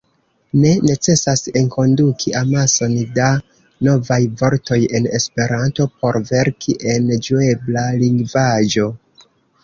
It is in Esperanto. Ne necesas enkonduki amason da novaj vortoj en Esperanto por verki en ĝuebla lingvaĵo.